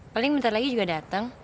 paling bentar lagi juga datang